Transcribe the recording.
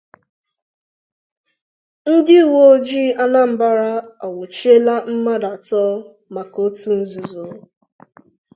Ndị Uweojii Anambra Anwụchiela Mmadụ Atọ Maka Òtù Nzuzo